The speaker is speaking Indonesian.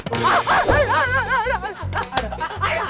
aduh aduh aduh